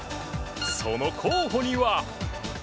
その候補には。